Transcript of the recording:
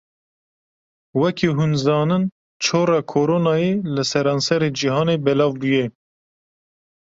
Wekî hûn zanin çora Koronayê li serenserê cihanê belav bûye.